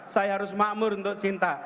saya harus makmur untuk cinta